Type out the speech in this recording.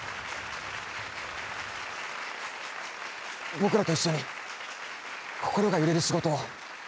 僕らと一緒に心が揺れる仕事を